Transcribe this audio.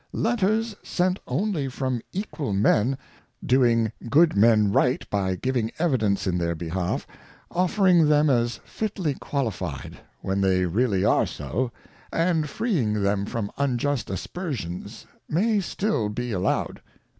Letters sent only from Equal Men, doing Good Men right by giving Evidence in_their_ behalf, offering them as fitly qualified, when they really are so, and freeing them from unjust Aspersions, may be still allowed.